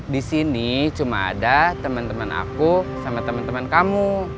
di sini cuma ada temen temen aku sama temen temen kamu